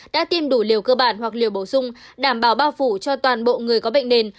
đã tiêm đủ liều cơ bản hoặc liều bổ sung đảm bảo bao phủ cho toàn bộ người có bệnh nền